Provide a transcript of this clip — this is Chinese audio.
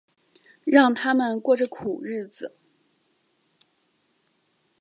让他们过着苦日子